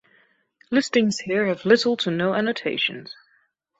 Listings here have little to no annotations.